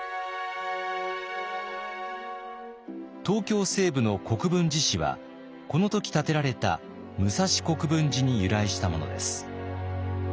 東京西部の国分寺市はこの時建てられた武蔵国分寺に由来したものです。